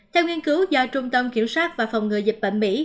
theo nghiên cứu do trung tâm kiểm soát và phòng ngừa dịch bệnh mỹ